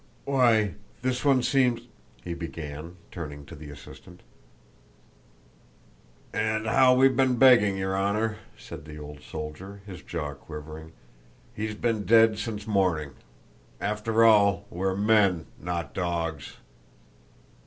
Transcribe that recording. "Why, this one seems..." he began, turning to the assistant. "And how we've been begging, your honor," said the old soldier, his jaw quivering. "He's been dead since morning. After all we're men, not dogs."